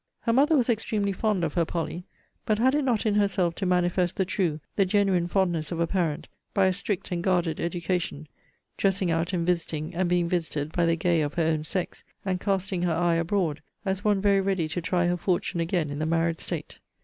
Her mother was extremely fond of her Polly; but had it not in herself to manifest the true, the genuine fondness of a parent, by a strict and guarded education; dressing out, and visiting, and being visited by the gay of her own sex, and casting her eye abroad, as one very ready to try her fortune again in the married state.